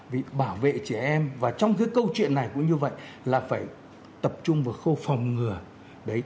vì bảo vệ trẻ em và trong cái câu chuyện này cũng như vậy là phải tập trung vào khâu phòng ngừa